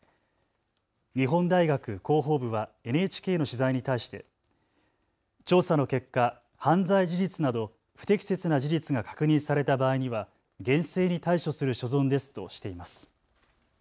日本大学広報部はＮＨＫの取材に対して調査の結果、犯罪事実など不適切な事実が確認された場合には厳正に対処する所存ですとしています。